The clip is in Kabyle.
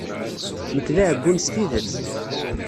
Nekk d aɛeggun s tidet.